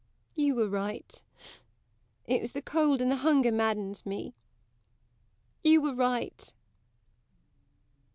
You were right. It was the cold and the hunger maddened me. You were right!